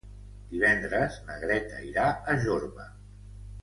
Divendres na Greta irà a Jorba.